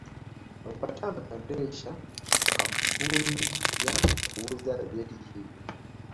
Walipatana kuendesha kampeni ya kuuza vyeti hivyo